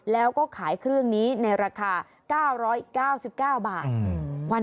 แล้วก็ขายเครื่องนี้ในราคา๙๙๙บาท